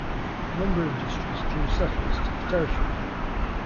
Lumber industries drew settlers to the territory.